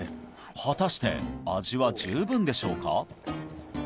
果たして味は十分でしょうか？